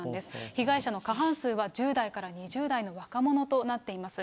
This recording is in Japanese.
被害者の過半数は、１０代から２０代の若者となっています。